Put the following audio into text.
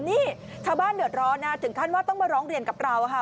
นี่ชาวบ้านเดือดร้อนนะถึงขั้นว่าต้องมาร้องเรียนกับเราค่ะ